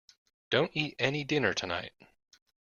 Don't eat any dinner tonight.